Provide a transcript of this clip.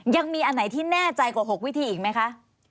ยังมีอันไหนที่แน่ใจกว่า๖วิธีอีกไหมคะ